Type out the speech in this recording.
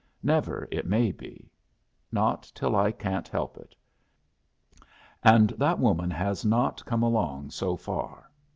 Never, it may be. Not till I can't help it. And that woman has not come along so far.